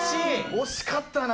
惜しかったな！